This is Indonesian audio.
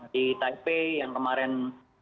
di taipei yang kemarin